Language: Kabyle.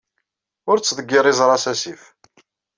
Ur ttḍeggir iẓra s asif.